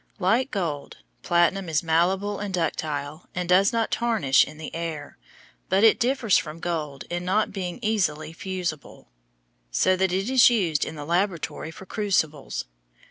Like gold, platinum is malleable and ductile and does not tarnish in the air, but it differs from gold in not being easily fusible, so that it is used in the laboratory for crucibles.